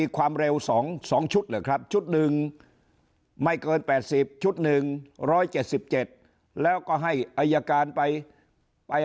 ความเร็ว๒๒๔ชุดนะครับช่วกรึงไม่เกิน๘๐ชุด๑๗๗แล้วก็ให้อัยการไปไป